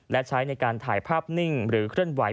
และใช้ในการถ่ายภาพนิ่งหรือเคลื่อนไหว